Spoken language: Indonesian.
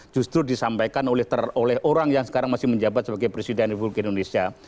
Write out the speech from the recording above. justru disampaikan oleh orang yang sekarang masih menjabat sebagai presiden republik indonesia